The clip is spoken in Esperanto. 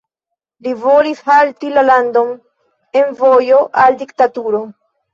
Li volis halti la landon en vojo al diktaturo.